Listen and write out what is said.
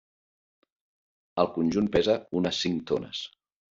El conjunt pesa unes cinc tones.